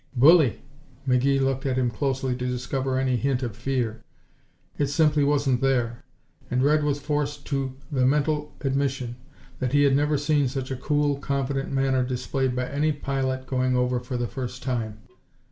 "Bully!" McGee looked at him closely to discover any hint of fear. It simply wasn't there, and Red was forced to the mental admission that he had never seen such a cool, confident manner displayed by any pilot going over for the first time.